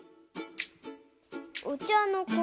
お茶の子